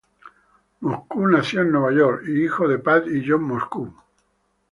Moscow nació en Nueva York, hijo de Pat y John Moscow.